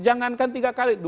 jangankan tiga kali